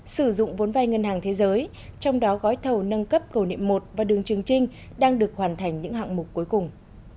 sử dụng vốn vay ngân hàng thế giới trong đó gói thầu nâng cấp cầu nệm một và đường trường trinh đang được hoàn thành những hạng mục cuối cùng